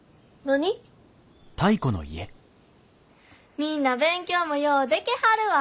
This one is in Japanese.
みんな勉強もようでけはるわ。